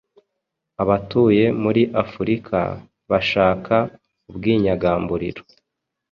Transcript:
abatuye muri Afurika, bashaka ubwinyagamburiro